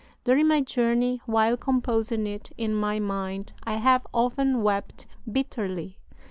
During my journey, while composing it in my mind, I have often wept bitterly.